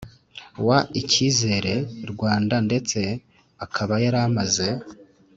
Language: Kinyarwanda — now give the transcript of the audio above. wa icyizere Rwanda ndetse akaba yari amaze